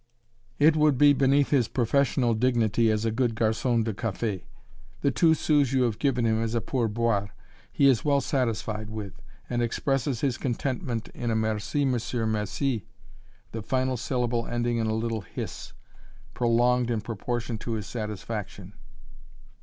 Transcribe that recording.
It would be beneath his professional dignity as a good garçon de café. The two sous you have given him as a pourboire, he is well satisfied with, and expresses his contentment in a "merci, monsieur, merci," the final syllable ending in a little hiss, prolonged in proportion to his satisfaction.